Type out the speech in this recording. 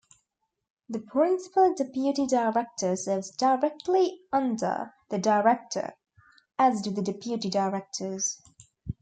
The Principal Deputy Director serves directly under the Director as do the Deputy Directors.